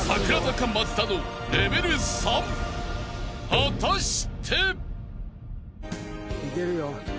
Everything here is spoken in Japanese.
［果たして］